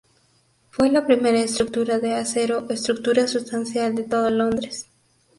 Fue la primera estructura de acero estructura sustancial de todo Londres.